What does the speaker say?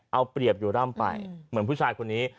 เอาเปรียบอยู่ร่ำไปเหมือนผู้ชายคนนี้